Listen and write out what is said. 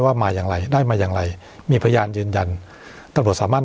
ว่ามาอย่างไรได้มาอย่างไรมีพยานยืนยันตำรวจสามารถ